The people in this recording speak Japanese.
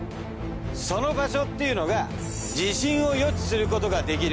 その場所っていうのが地震を予知することができる